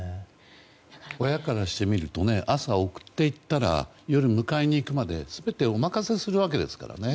親からしてみると朝送っていったら夜迎えに行くまで全てお任せするわけですからね。